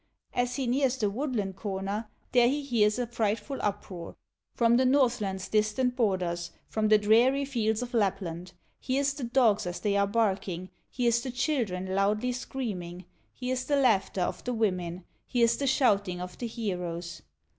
As he nears the woodland corner, There he hears a frightful uproar, From the Northland's distant borders, From the dreary fields of Lapland, Hears the dogs as they are barking, Hears the children loudly screaming, Hears the laughter of the women, Hears the shouting of the heroes.